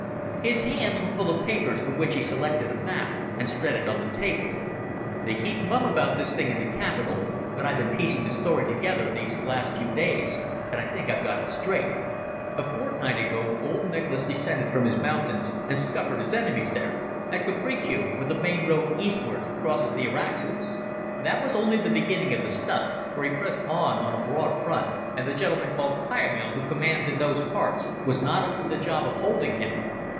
His hands were full of papers, from which he selected a map and spread it on the table. "They keep mum about this thing in the capital, but I've been piecing the story together these last days and I think I've got it straight. A fortnight ago old man Nicholas descended from his mountains and scuppered his enemies there—at Kuprikeui, where the main road eastwards crosses the Araxes. That was only the beginning of the stunt, for he pressed on on a broad front, and the gentleman called Kiamil, who commands in those parts, was not up to the job of holding him.